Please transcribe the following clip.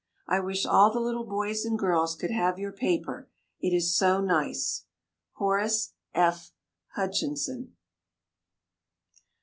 I wish all the little boys and girls could have your paper, it is so nice. HORACE F. HUTCHINSON.